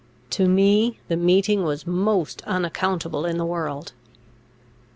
To me the meeting was most unaccountable in the world.